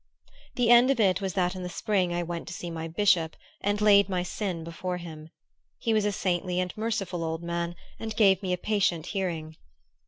The end of it was that in the spring I went to see my bishop and laid my sin before him. He was a saintly and merciful old man, and gave me a patient hearing.